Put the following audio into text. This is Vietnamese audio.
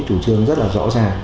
chủ trương rất là rõ ràng